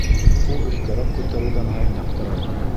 Ул өҫкәрәк күтәрелгән һайын яҡтыра бара.